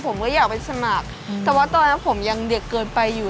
ผมก็อยากไปสมัครแต่ว่าตอนนั้นผมยังเด็กเกินไปอยู่